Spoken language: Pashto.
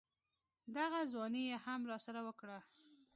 دغه ځواني يې هم راسره وکړه.